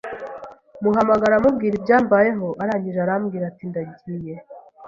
muhamagara mubwira ibyambayeho arangije arambwira ati ndagiye